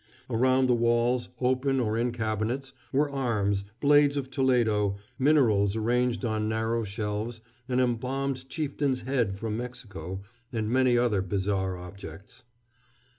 Around the walls, open or in cabinets, were arms, blades of Toledo, minerals arranged on narrow shelves, an embalmed chieftain's head from Mexico, and many other bizarre objects.